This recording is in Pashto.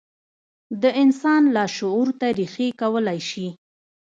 د انسان لاشعور ته رېښې کولای شي.